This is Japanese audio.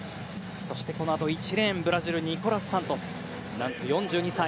そして１レーン、ブラジルのニコラス・サントス。